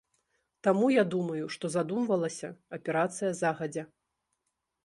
Таму я думаю, што задумвалася аперацыя загадзя.